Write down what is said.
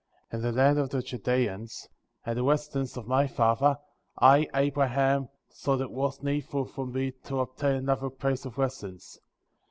In the land of the Chaldeans,^ at the resi dence of my father, I, Abraham, saw that it was needful for me to obtain another place of residence ; 2.